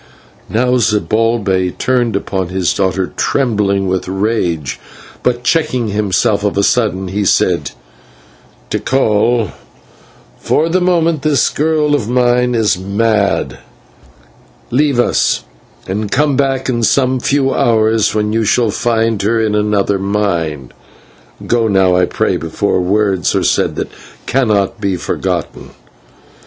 Now Zibalbay turned upon his daughter, trembling with rage, but, checking himself of a sudden, he said: "Tikal, for the moment this girl of mine is mad; leave us, and come back in some few hours, when you shall find her of another mind. Go now, I pray, before words are said that cannot be forgotten."